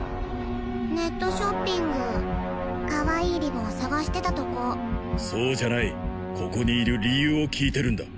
ネットショッピングかわいいリボン探してたとこそうじゃないここにいる理由を聞いてるんだ